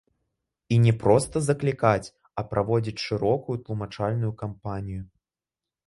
І не проста заклікаць, а праводзіць шырокую тлумачальную кампанію.